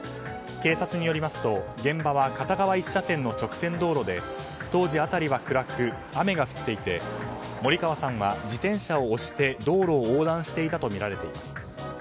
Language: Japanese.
警察によりますと現場は片側１車線の直線道路で当時、辺りは暗く雨が降っていて森川さんは自転車を押して道路を横断していたとみられています。